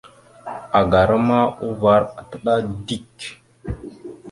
Agara ma uvar ataɗá dik.